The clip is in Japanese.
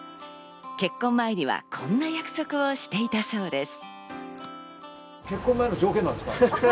結婚前にはこんな約束をしていたそうです。